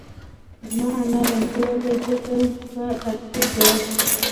زما انا رنځورۀ دۀ ځکه په اتېب دۀ